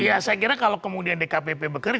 ya saya kira kalau kemudian dkpb